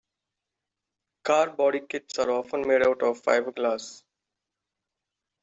Car body kits are often made out of fiberglass.